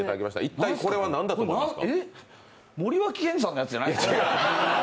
一体これは何だと思いますか？